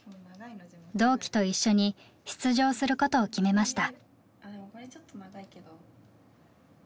同期と一緒に出場することを決めました。